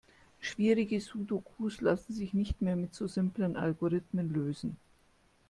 Schwierige Sudokus lassen sich nicht mehr mit so simplen Algorithmen lösen.